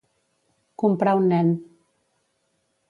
Comprar un nen.